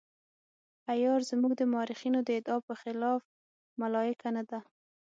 عیار زموږ د مورخینو د ادعا په خلاف ملایکه نه ده.